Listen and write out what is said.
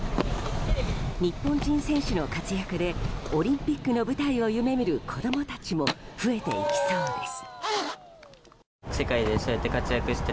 日本人選手の活躍でオリンピックの舞台を夢見る子供たちも増えていきそうです。